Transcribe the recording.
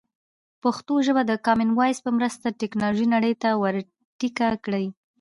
پښتو ژبه د کامن وایس په مرسته د ټکنالوژۍ نړۍ ته ور ټيکه کېږي.